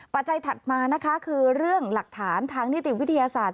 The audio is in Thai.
ปัจจัดมานะคะคือเรื่องหลักฐานทางนิติวิทยาศาสตร์